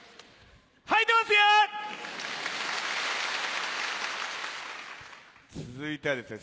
はいてますよ！続いてはですね